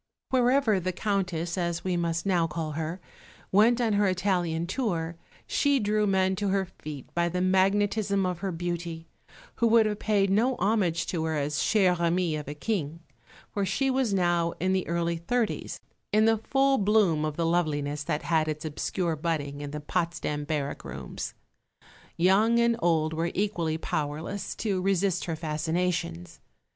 Wherever the Countess (as we must now call her) went on her Italian tour she drew men to her feet by the magnetism of her beauty, who would have paid no homage to her as chère amie of a King; for she was now in the early thirties, in the full bloom of the loveliness that had its obscure budding in the Potsdam barrack rooms. Young and old were equally powerless to resist her fascinations.